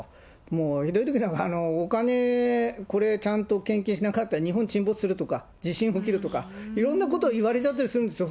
もうひどいときには、お金、これ、ちゃんと献金しなかったら、日本沈没するとか、地震起きるとか、いろんなこと言われたりするんですよ。